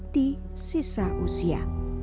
di sisa usia